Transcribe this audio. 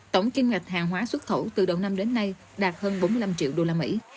tổng kim ngạch hàng hóa xuất khẩu từ đầu năm đến nay đạt hơn bốn mươi năm triệu usd